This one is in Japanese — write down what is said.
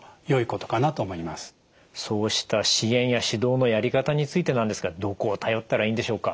そうした支援や指導のやり方についてなんですがどこを頼ったらいいんでしょうか？